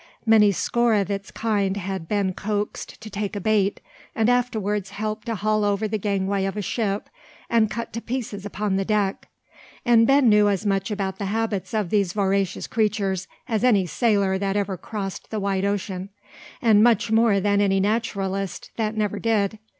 Many score of its kind had Ben coaxed to take a bait, and afterwards helped to haul over the gangway of a ship and cut to pieces upon the deck; and Ben knew as much about the habits of these voracious creatures as any sailor that ever crossed the wide ocean, and much more than any naturalist that never did.